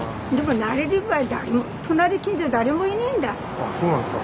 あっそうなんですか。